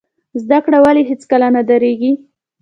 زده کړه ولې هیڅکله نه دریږي؟